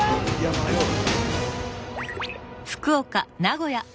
迷う。